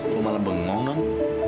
lo malah bengong dong